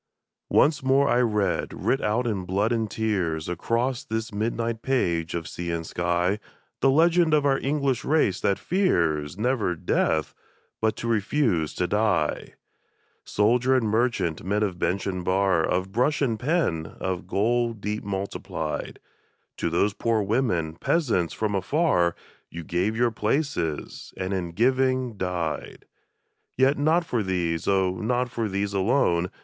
Once more I read, writ out in blood and tears, Across this midnight page of sea and sky, The legend of our English race that fears, never death, but to refuse to die ! Soldier and merchant, men of bench and bar. Of brush and pen, of gold deep multiplied, To those poor women, peasants from afar. You gave your places, and in giving died ! Yet not for these, oh, not for these alone.